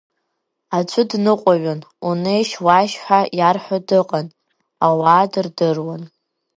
Аӡәы дныҟәаҩын, унеишь-уааишь ҳәа иарҳәо дыҟан, ауаа дырдыруан.